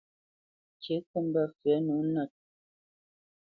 Ŋkǐ kǝ́ mbǝ́ fywǝ̂ nǒ nǝt.